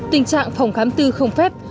tình trạng phòng khám tư không phép